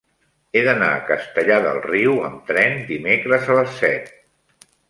He d'anar a Castellar del Riu amb tren dimecres a les set.